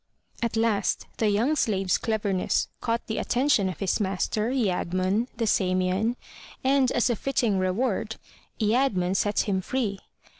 At last the young slave's cleverness caught the attention of his master, ladmon, the Samian, and as a fitting reward, ladmon set him free.